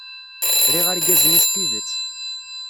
Riɣ argaz-nni s tidet.